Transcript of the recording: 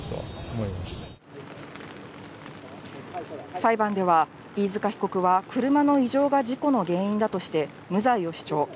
裁判では飯塚被告は車の異常が事故の原因だとして無罪を主張。